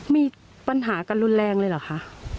มีปัญหากันรุนแรงเลยเหรอคะ